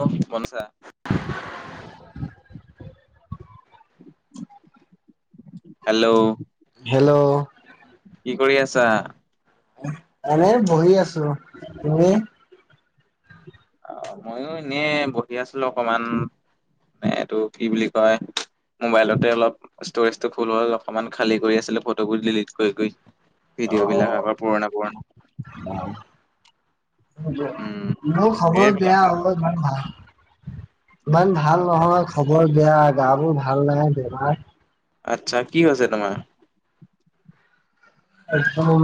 অ মনচা। [inaudible] Hello? Hello. কি কৰি আছা? এনেই বহি আছো। তুমি? অ, মইও এনে বহি আছিলো অকমান মে এইটো কি বুলি কয় মবাইলতে অলপ ষ্টৰেজটো ফুল হল অকমান খালী কৰি আছিল ফটোবোৰ দিলিট কৰি কৰি। ভিডিঅ'বিলাক আগৰ পুৰণা পুৰণা। উম খবৰ এইবিলাক দিয়া অলপ ইমান ভাল। ইমান ভাল নহয় খবৰ বেয়া গা বোৰ ভাল নাই বেমাৰ। আচ্ছা কি হৈছে তোমাৰ? একদম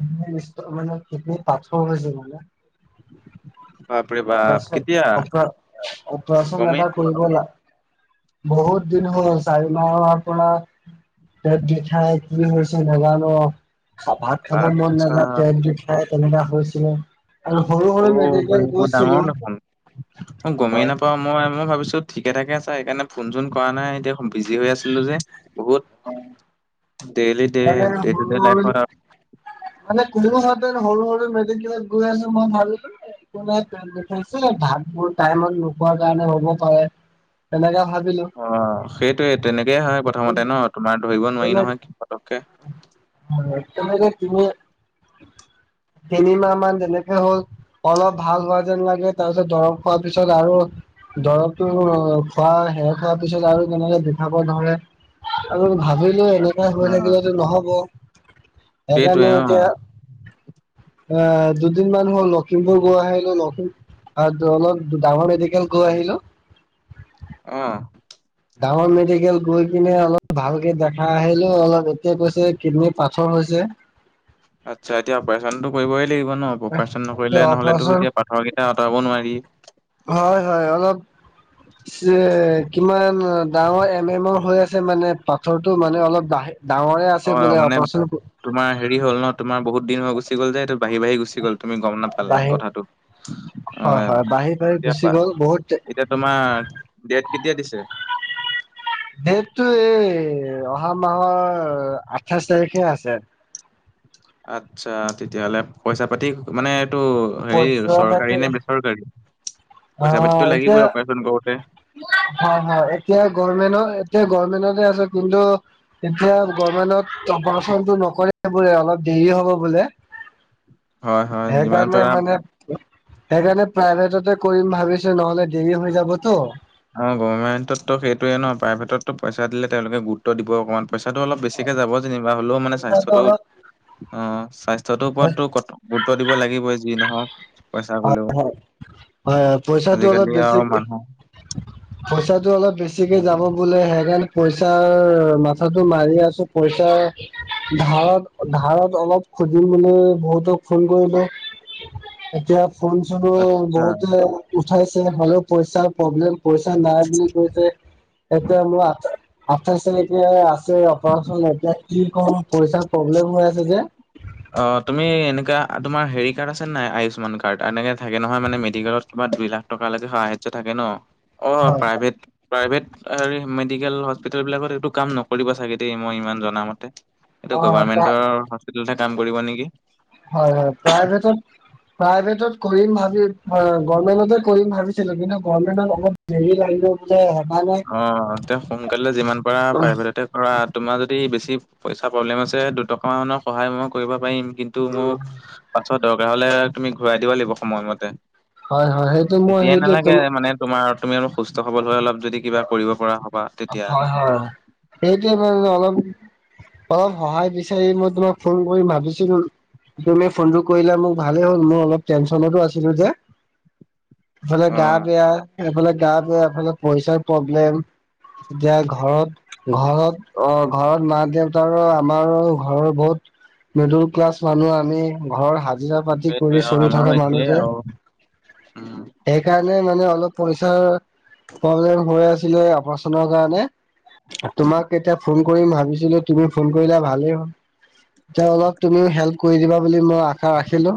[unintelligible] মানে কিডনীৰ পাঠৰ হৈছে [unintelligible] [unintelligible] বাপ অপাৰেচন কেতিয়া অপ অপাৰেচন গমেই এটা কৰিব লাগে। বহুত দিন হ'ল চাৰি মাহৰ পৰা পেট বিষাই কি হৈছে নাজানোঁ আৰু। ভাত খাব মন আচ্ছা নাযায় পেট বিষ তেনেকা হৈছিলে, আৰু সৰু-সৰু অ' মেডিকেল বহুত গৈ ডাঙৰ দেখোন। অ, গমেই নাপাওঁ। মই-মই ভাবিছোঁ ঠিকে থাকে আছা সেইকাৰণে ফোন চোন কৰা নাই এতিয়া বিজি হৈ আছিলোঁ যে বহুত [unintelligible] ডেইলি ডে এ মল ডে টু ডে [unintelligible] লাইফত মানে [unintelligible] সৰু-সৰু মেডিকেলত গৈ আছোঁ মই ভাবিলোঁ [unintelligible] দেখাইছে ভাত বোৰ টাইমত নোপোৱাৰ কাৰণে হ'ব পাৰে। তেনেকাে ভাবিলোঁ। অ', সেইটোয়ে তেনেকয়ে হয় প্ৰথমতে ন, তোমাৰ ধৰিব নোৱাৰি তেনে নহয় পতককে। [unintelligible] তিনিমাহ মান যেনেকে হ'ল অলপ ভাল হোৱা যেন লাগে, তাৰ পিছত দৰৱ খোৱাৰ পিছত আৰু দৰৱতটো খোৱা সেষ খোৱাৰ পিছত আৰু তেনেকে বিঠাব ধৰে। আৰু ভাবিলোঁ এনেকুৱা আচ্ছা হৈ থাকিলেতো নহব, সেইটোৱে সেইকাৰণে অ এতিয়া আহ দুদিনমান হ'ল লখিমপুৰ গৈ আহিলোঁ, লখিমপুৰ আৰু অলপ ডাঙৰ মেডিকেল গৈ আহিলোঁ অ'। ডাঙৰ মেডিকেল গৈ কিনে অলপ ভালকে দেখা আহিলোঁ অলপ এতিয়া কৈছে কিডনী পাথৰ হৈছে। আচ্ছা এতিয়া অপাৰচনতটো কৰিবই লাগিব ন, অপাৰেচন এতিয়া নকৰিলে নহ'লেতো অপাৰচন এতিয়া পাঠৰ কেইটা আঁতৰাব নোৱাৰি। হয়, হয় অলপ [unintelligible] কিমান উ ডাঙৰ এম এমৰ হৈ আছে মানে, পাথৰটো মানে অলপ বাহি অ', মানে তোমাৰ হেৰি হল ন, তোমাৰ বহুত দিন হৈ গুচি গ'ল যে এইটো বাঢ়ি-বাঢ়ি গ গোচি গল তুমি গম নাপালা বাঢ়ি কথাটো। হয় অ', হয় বাঢ়ি বাঢ়ি এতি গুচি গ'ল বহুত এতিয়া তোমাৰ ডেট কেতিয়া দিছে? ডটটো এই অহা মাহৰ আঠাইছ তাৰিখে আছে। আচ্ছা তেতিয়া‌হলে পইচা পাতি, মানে এইটো হেৰি পইচা চৰকাৰী পাতি নে বেছ ৰকাৰী? পইচা পাতিটো লাগিবই অপাৰচন কৰোতে? হয়-হয়, এতিয়া গমেন্ট এতিয়া গভমেন্টতে আছে। কিন্তু এতিয়া গভমেন্টত অপাৰচনটো নকৰে বোলে, অলপ দেৰি হ'ব বোলে হয় হয় যিমান সেইকাৰণে পাৰা মানে সেইকাৰণে প্ৰাইভেটতে কৰিম ভাবিছোঁ নহলে দেৰি হৈ যাবতো। অ', গভৰ্ণমেণ্টততো সেইয়ে ন, প্ৰাইভটতো পইচা দিলে তেওঁলে গুৰুত্ব দিব অকণমান। পইচাটো অলপ বেছি গতিকে যাব যেনিবা, হ'লেও মানে পইচাটো স্বাস্থ্যটো অলপ অ', স্বাস্থ্যটোৰ হয় ওপৰততো কট গুৰুত্ব দিব লাগিবই, যি নহওঁক। হয়-হয়-হয়, পইচাটো অলপ আজিকালি আৰু বেছিকে মানুহ পইচাটো অলপ বেছিকে যাব বোলে হেকাৰনে পইচাৰ মাথাটো মাৰি আছোঁ পইচা ধাৰত-ধাৰত অলপ খুজিম বুলি মানে বহুতক ফোন কৰিলোঁ। এতিয়া ফোন চুনু আচ্ছা বহুতে উঠাইছে হলেও পইচাৰ প্ৰব্লেম পইচা নাই বুলি কৈছে, এতিয়া বুল আ আঠাইচ‌ তাৰিখে আছে অপাৰচন, এতিয়া কি ক'ম পইচাৰ প্ৰব্লেম হৈ আছে যে। অ', তুমি এনেকুৱা তোমাৰ হেৰি কাৰ্ড আছেনে নাই আয়ুস্মান কাৰ্ড? এনেকে থাকে নহয় মানে মেডিকেলত কিবা দুই লাখ টকা লেকে সাহাৰ্য থাকে ন, অ', অ', প্ৰাইভেট প্ৰাইভেট হেৰী মেডিকেল হস্পিটেল বিলাকত এইটো কাম নকৰিবা চাগে ডেই মই ইমান জনা মতে। এইটো প্ৰা হয় গভাৰমেণ্টৰ হস্পিতেলতহে কাম কৰিব নেকি? হয়-হয়, প্ৰাইভেত প্ৰাইভেটত কৰিম ভাবি গমেন্টতে কৰিম ভাবিছিলোঁ কিন্তু গমেন্টত অল দেৰি লাগিব [unintelligible] কাৰে অ', তে সোনকালে যিমান পাৰা প্ৰাইভেট কৰা তোমাৰ যদি বেছি পইচা প্ৰব্লেম আছে দুটক মানৰ সহায় মই কৰিব পাৰিম। কিন্তু মোক পাছত দৰকাৰ হলে, তুমি ঘূৰাই দিব লাগিব সময়মতে হয় হয় সেইটো মই এতিয়াই নালাগে সেইটো মানে তোমাৰ তুমি অলপ সুস্থ সবল হৈ, অলপ যদি কিবা কৰিব পৰা হবা। তেতিয়া। হয়-হয়, সেইটোৱে মানে অলপ অলপ সহায় বিচাৰি মই তোমাক ফোন কৰি ভাবিছিলোঁ। তুমি ফোনটো কৰিলা মোক ভালেই হ'ল, মই অলপ টেনশচনতো আছিলোঁ যে। এইফালে গা অ', বেয়া, এইফালে গা বয়া এফালে পইচাৰ প্ৰব্লেম। এতিয়া ঘৰত-ঘৰত অ' ঘৰত মা দেউতাৰো আমাৰো ঘৰ বহুত মিডিল ক্লাছ মানুহ আমি ঘৰৰ হা জিৰা পাতি সেইটোৱে কৰি অ', চলি আমাৰো থকা মানুহ একেই যে। আৰু উম। সেইকাৰণে মানে অলপ পইচাৰ প্ৰব্লেম হৈ আছিলে ফোনৰ কাৰণে, তোমাক এতিয়া ফোন কৰিম ভাবিছিলোঁ। তুমি ফোন কৰিলা ভালেই হ'ল। এতিয়া অলপ তুমিও হেল্প কৰি দিবা বুলি মই আশা ৰাখিলোঁ।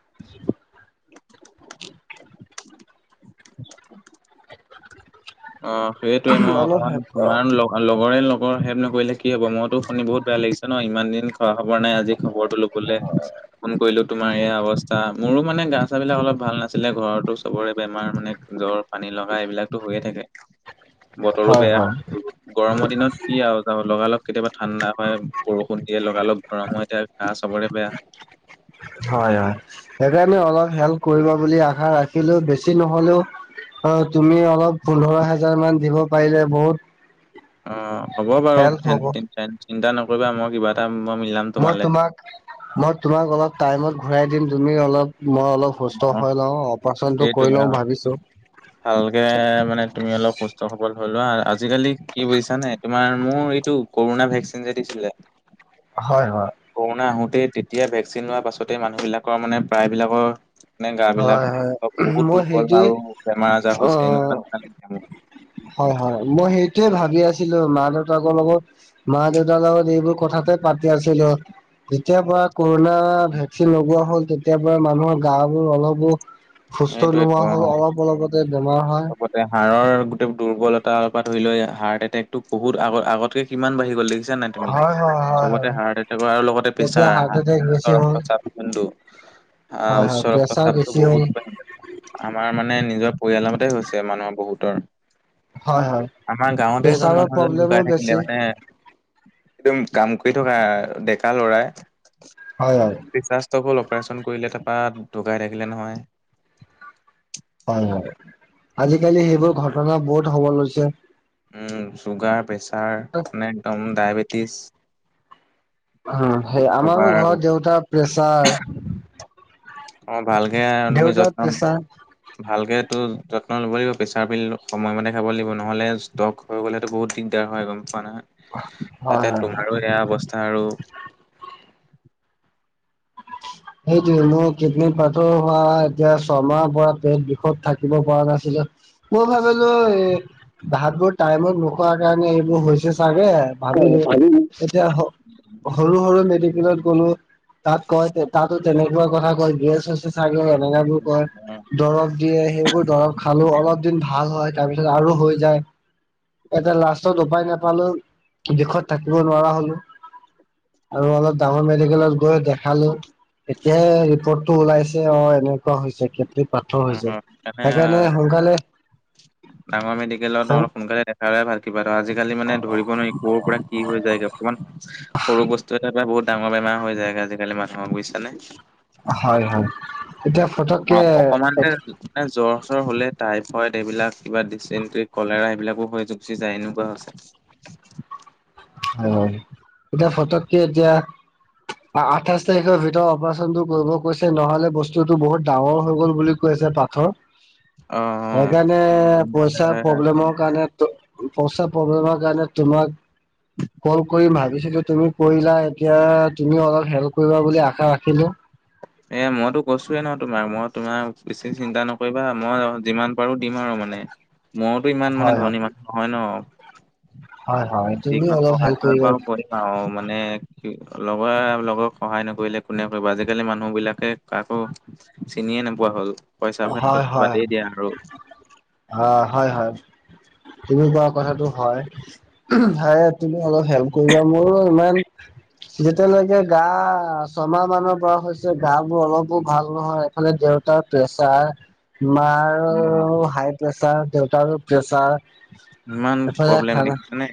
[unintelligible] অ', সেইটোৱে মই অলপ অকমান তোমাৰ লগ আৰু লগৰে লগৰক হেল্প নকৰিলে কি হ'ব? মইতো শুনি বহুত বেয়া লাগিছে ন ইমান দিন হয় খবৰ নাই আজি খবৰতো লৱলে ফোন কৰিলোঁ তোমাৰ এইয়া অৱস্থা। মোৰো মানে গা চা বিলাক অলপ ভাল নাছিলে, ঘৰতো চবৰে বেমাৰ মানে জ্বৰ পানী লগা এইবিলাকতো হৈয়ে থাকে, বতৰো হয় বেয়া। হয় গৰমৰ দিনত কি আৰু যাব লগালগ কেতিয়াবা ঠাণ্ডা হয়, বৰষুণ দিয়ে লগালগ গৰম হয় তে গা চবৰে বেয়া। হয়-হয়। সেইকাৰণে অলপ হেল্প কৰিবা বুলি আশা ৰাখিলোঁ, বেছি নহলেওঁ অ', তুমি অলপ পোন্ধৰ হাজাৰ মান দিব পাৰিলে বহুত অ', হ'ব বাৰু হেল্প হ'ব [unintelligible] চিন্তা নকৰিবা মই কিবা এটা মই মিলাম। মই তোমালে তোমাক- মই তোমাক অলপ টাইমত ঘূৰাই দিম তুমি অলপ, মই অলপ সুস্থ অ হৈ লওঁ, অপাৰেচনটো সেইটোৱে কৰি অ লওঁ ভাবিছোঁ। ভালকে মানে তুমি অলপ সুস্থ সবল হৈলোৱা আৰু আজিকালি কি বুজিছা নে? তোমাৰ মোৰ এইটো কৰোণা ভেকচিন যে দিছিলে? হয়- হয়। কৰোণা আহোতেই তেতিয়া ভেকচিন লোৱা পাছতেই মানুহবিলাকৰ মানে প্ৰায়বিলাকৰ মানে গা হয় বিলাক হয় বহুত মই দুৰ্বল সেইটোৱে আৰু বেমাৰ আজাৰ হৈছে এনেকুৱা নিচনা লাগিছে মোক। হয়-হয়, মই সেইটোয়ে ভাবি আছিলোঁ, মা- দেউতাকৰ লগত মা -দেউতাৰ লগত এইবোৰ কথাতে পাতি আছিলোঁ। যেতিয়াৰ পৰা কৰোনা ভেকচিন লগোৱা হ'ল, তেতিয়া পৰা মানুহৰ গা বোৰ অলপো সুস্থ সেইটোৱেতো নোহোৱা হ'ল, অলপ -অলপতে বেমাৰ হয়। হাৰৰ গোটেই দুৰ্বলতাৰ পা ধৰি লৈ হাৰ্ট এটেকটো বহুত আগ- আগতকে কিমান বাঢ়ি গ'ল দেখিছ খিছা নাই তুমি? হয় হয় হয় চবতে হয়। হাৰ্ট এটেক আৰু লগতে এতিয়া প্ৰেছাৰ হাৰ্ট এটেক বেছি হ'ল [unintelligible] আ উৎস হয় হয় ৰক্ত প্ৰেছাৰ চাপটো বেছি হ'ল বহুত বাঢ়ি [unintelligible] আমাৰ মানে নিজৰ পৰিয়ালৰ মতে হৈছে মানে বহুতৰ। হয় হয়। [inaudible] আমাৰ গাঁৱতে এজন প্ৰেছাৰৰ মানুহ এজন প্ৰব্লেমো ঢুকাই বেছি থাকিলে মানে একদম কাম কৰি থকা ডেকা ল'ৰা। হয়-হয়। প্ৰেছাৰ ষ্ট'কৰ অপাৰেচন কৰিলে তাৰপা ঢুকাই থাকিলে নহয়। হয়- হয়, আজিকালি সেইবোৰ ঘটনা বহুত হ'ব লৈছে। উম, ছুগাৰ, প্ৰেছাৰ মানে একদম ডায়বেটিছ। উম, কি সেই ক'বা আমাৰো আৰু। ঘৰত দেউতা প্ৰেচাৰ। অ', ভালকে তুমি দেউতাৰ যত্ন প্ৰেছাৰ ভালকেটো যত্ন ল'ব লাগিব, প্ৰেছাৰ পিল সময়মতে খাব লাগিব নহ'লে লগ কৰিবলেটো বহুত দিগদাৰ হয় গম পোৱা নহয়, হয় তাতে হয়। তোমাৰো সেয়া অৱস্থা আৰু। সেইটোয়ে মোৰ কিডনী পাথৰ হোৱা এতিয়া ছমাহৰ পৰা পেট বিষত থাকিব পৰা নাছিলোঁ। মই ভাবিলো এই ভাতবোৰ টাইমত নোখোৱা কাৰণে এইবোৰ হৈছে চাগে। ভাবিলোঁ, এতিয়া হ সৰু- সৰু মেডিকেলত গ'লো, তাত কয় তাতো তেনেকুৱা কথা কয় গেছ হৈছে চাগে এনেকাবোৰ কয়, অ' দৰৱ দিয়ে, সেইবোৰ দৰৱ খালো অলপ দিন ভাল হয়, তাৰপিছত আৰু হৈ যায়। এটা লাষ্টত উপায় নাপালো, বিষত থাকিব নোৱাৰা হ'লো। আৰু অলপ ডাঙৰ মেডিকেলত গৈ দেখালো। এতিয়াই ৰিপৰ্টটো ওলাইছে অ', এনেকুৱা হৈছে কে [unintelligible] পাথৰ হৈছে, সেইকাৰণে সোনকালে ডাঙৰ মেডিকেলত [unintelligible] সোনকালে [unintelligible] ভাল কিবা এটা, আজি কালি মানে ধৰিব নোৱাৰি ক'ৰ পৰা কি হৈ যায় অকমান সৰু বস্তু এটাৰ পৰা বহুত ডাঙৰ বেমাৰ হৈ যায় গে আজিকালি মানুহৰ বুইচানে। হয়-হয়, এতিয়া অ ফটককে এ অকমানতে মানে জ্বৰ চ্বৰ হ'লে টাইফইড এইবিলাক কিবা দিছেন্ত্ৰি, কলেৰা এইবিলাকো হৈ গুচি যায় এনেকুৱা হৈছে। হয়, এতিয়া ফটককে এতিয়া আ আঠাইছ তাৰিখৰ ভিতৰত অপাৰচনটো কৰিব কৈছে, নহ'লে বস্তুটো বহুত ডাঙৰ হৈ গ'ল বুলি কৈ আছে পাথৰ। [inaudible] সেইকাৰণে সোনকালে পইচাৰ প্ৰব্লেমৰ কাৰণে ত' পইচা প্ৰব্লেমৰ কাৰণে তোমাক [inaudible] কল কৰিম ভাবিছিলো তুমি কৰিলা এতিয়া তুমিও অলপ হেল্প কৰিবা বুলি আশা ৰাখিলো। এ মইতো কৈছোৱেই ন তোমাৰ, মই তোমাৰ বেছি চিন্তা নকৰিবা মই যিমান পাৰোঁ দিম আৰু মানে। মওঁতো ইমান মানে হয় হয় ধনী মানুহ নহয় ন। হয় হয় তুমি যিকণ অলপ সহায় হেল্প কৰিব পাৰোঁ কৰিম। অ', মানে কি লগৰে লগৰক সহায় নকৰিলে কোনে কৰিব আজিকালি মানুহ মানুহ বিলাকে কাকো চিনিয়ে নোপোৱা হ'ল, পইচাৰ ক্ষেত্ৰতো বাদেই দিয়া আৰু। হ হয়-হয়, তুমি কোৱা কথাটো হয়। সেইয়া তুমি অলপ হেল্প কৰিবা, মোৰো ইমান যেতিয়ালৈকে গা ছমাহ মানৰ পৰা হৈছে, গা বোৰ অলপো ভাল নহয়। ফালে দেউতাৰ প্ৰেচাৰ, অ। মাৰো হাই প্ৰেছাৰ, দেউতাৰো প্ৰেচাৰ। ইমান প্ৰব্লেম দেখি মানে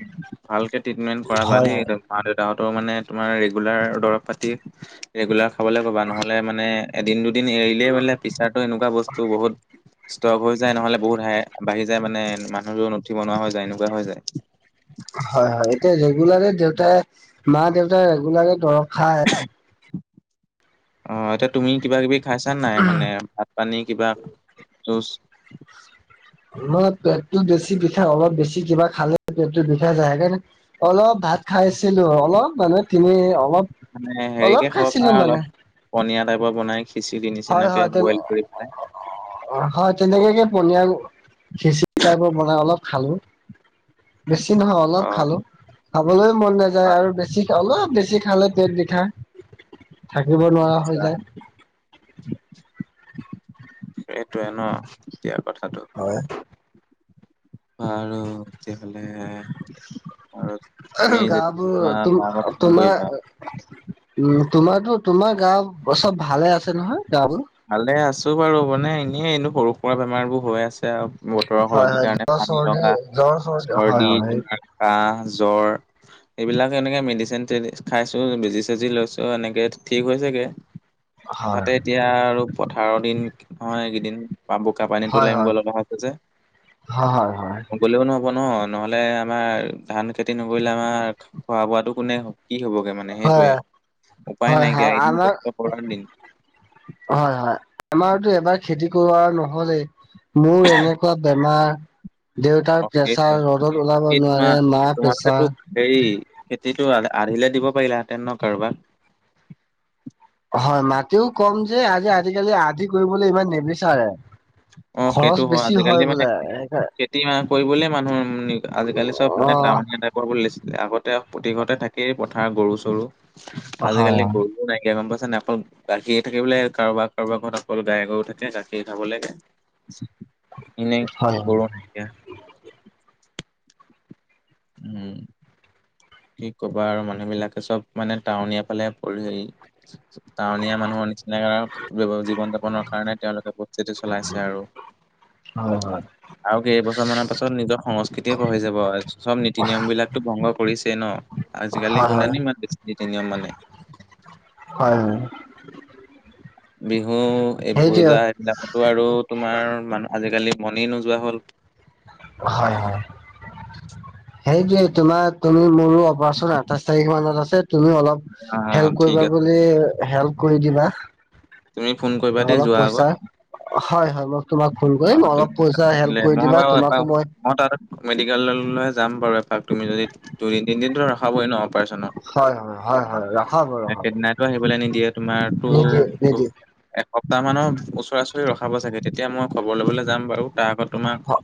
ভালকে ট্ৰিটমেন্ট কৰাবা হয় দেই হয় মা দেউতাহতো মানে তোমাৰ ৰেগুলাৰ দৰৱ পাতি ৰেগুলাৰ খাবলে ক'বা নহ'লে মানে এদিন দুদিন এৰিলেই বোলে পেচাৰটো এনেকুৱা বস্তু বহুত ষ্টক হৈ যায়, নহ'লে বহুত হাই বাঢ়ি যায় মানে মানুহজন উঠিব নোৱাৰা হৈ যায় এনেকুৱা হৈ যায়। হয়-হয়, এতিয়া ৰেগুলাৰ দেউতাই মা দেউতাই ৰেগুলাৰে দৰৱ খায় অ', এতিয়া তুমি কিবা কিবি খাইছানে নাই মানে ভাত পানী কিবা জোছ। মই পেটটো বেছি বিষাই, অলপ বেছি কিবা খালে পেটতটো বিষাই যায়, সেইকাৰনে অলপ ভাত খাইছিলোঁ অলপ মানে তিমি অলপ। মানে অলপ হেৰিকে খাব খাইছিলো পাৰা মানে অলপ পনীয়া টাইপৰ বনাই খিচিৰি নিচিনাকে বইল কৰি পেলাই। অ, হয় তেনেকেকে পনীয়া খিচি টাইপৰ বনাই অলপ খালোঁ। বেছি নহয় অলপ অ' খালোঁ খাবলৈও মন নাযায় আৰু বেছ বেছিখে অলপ বেছি খালে পেট বিষাই থাকিব নোৱাৰা হৈ আচ্ছা যায়। এটোৱে ন'এতিয়া কথাটো। হয়। আৰু তে হ'লে। আৰু তুমি যেতিয়া গা বোৰ [unintelligible] ফোন তোমাৰ কৰিবা উম, তোমাৰটো তোমাৰ গা চব ভালে আছে নহয় গা বোৰ? ভালে আছোঁ বাৰু মানে এনেই এনে সৰু সুৰা বেমাৰ বোৰ হৈ আছে আওঁ। বতৰৰ হয় সলনি হয় কাৰণে জ্বৰ পানী চৰ্দি লগা, জ্বৰ হয় চৰ্দি, হয় তোমাৰ কাহ, জ্বৰ এইবিলাক এনেকে মেডিচিন তেডি খাইছোঁ বেজি- চেজি লৈছোঁ এনেকে ঠিক হৈছে গে। হয় তাতে এতিয়া আৰু পথাৰৰ দিন নহয় এই কেইদিন। পা বোকা পানীতোলে হয় আনিব হয় লগা হ'ব যে। হয় হয় গ'লেও নহ'ব ন' নহ'লে আমাৰ ধান খেতি নকৰিলে আমাৰ খোৱা বোৱাটো কোনে কি হ'বগে মানে। মানে সেইটোৱে উপায় নাইকিয়া এদিন কষ্ট কৰাৰ দিন। হয়-হয় আমাৰতো এবাৰ খেতি কৰোৱা নহলেই মোৰ এনে [unintelligible] বেমাৰ দেউতাৰ অ সেইটোৱে প্ৰেচাৰ ৰ'দত ওলাব কি তোমাৰ নোৱাৰে মা তোমালোকেতো প্ৰেছাৰ হেৰি খেতিটো আৰহিলে দিব পাৰিলহেতেন ন' কাৰোবাক। হয় মাটিও কম যে আজি- আজিকালি আদি কৰিবলে ইমান নিবিচাৰে। অ, খৰচ সেইটো হয় বেছি আজি কালি মানে বোলে খেতি মানে কৰিবলে মানুহ আজিকালি চব অ মানে টাৱনীয়া টাইপ খুৱাবলে লৈছিলে আগতে প্ৰতি ঘৰতে থাকেই পথাৰ গৰু- চৰু আজিকালি হয় গৰু [unintelligible] নাইকিয়া গম পাইছাঁ নাই অকল গাখীৰ থাকিবলে কাৰোবাক- কাৰোবাক ঘৰত অকল গাই গৰু থাকে গাখীৰ খাবলে গে। এনে হয় হয় গৰু নাই কিয়া [unintelligible] উম, কি ক'বা আৰু মানুহ বিলাকে চব মানে টাউনীয়াফালে পৰি হেৰী টাৱনীয়া মানুহৰ নিচিনাকে আও জীৱন-যাপনৰ কাৰণে তেওঁলোকে স্থিতি চলাইছে আৰু। হয় হয় আৰু কেইবছৰ মানৰ পাছত নিজৰ সংস্কৃতিয়ে পাহৰি যাব [unintelligible] চব নীতি-নিয়ম বিলাকতো ভংগ কৰিছেই ন' হয় আজিকালি হয় কোনোনো ইমান বেছি নীতি নিয়ম মানে। হয়-হয়। বিহু এই সেইটোৱে পূজা এইবিলাকতো আৰু তোমাৰ মানো আজিকালি মনেই নোযোৱা হ'ল। হয়-হয় সেইটোৱে তোমাক তুমি মোৰো অপাৰেচন আঠাইশ তাৰিখ মানত আছে তুমি অলপ অ হেল্প ঠিক কৰিবা আছে বুলি হেল্প কৰি দিবা তুমি ফোন কৰিবা [inaudible] দেই অলপ যোৱাৰ আগত পইচাৰ হয় -হয় মোক তোমাক ফোন কৰিম মই অলপ পইচা হেল্প কৰি দিবা। তোমাকো মই [unintelligible] মেডিকেল লল্লৈ যাম বাৰু এপাক তুমি যদি দুই, তিনদিনটো ৰখাবই ন' অপাৰেচনত। হয় হয় হয় হয় ৰখাব ৰখাব একেদিনাইটো আহিবলৈ নিদিয়ে তোমাৰটো নিদিয়ে নিদিয়ে এসপ্তাহ মানৰ ওচৰা -ওচৰি ৰখাব চাগে তেতিয়া মই খবৰ ল'বলৈ যাম বাৰু তাৰ আগত তোমাক